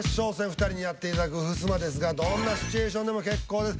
２人にやっていただくふすまですがどんなシチュエーションでも結構です。